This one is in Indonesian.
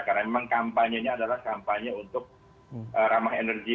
karena memang kampanyenya adalah kampanye untuk ramah energi